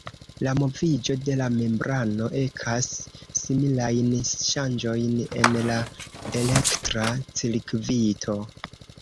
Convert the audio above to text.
La moviĝo de la membrano ekas similajn ŝanĝojn en la elektra cirkvito.